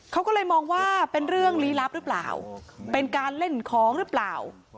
เขาก็เลยมองว่าเป็นเรื่องลี้ลับหรือเปล่าเป็นการเล่นของหรือเปล่า